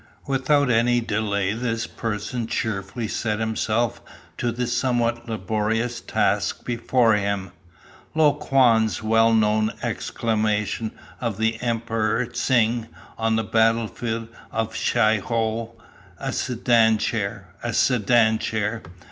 Without any delay this person cheerfully set himself to the somewhat laborious task before him. Lo Kuan's well known exclamation of the Emperor Tsing on the battlefield of Shih ho, 'A sedan chair! a sedan chair!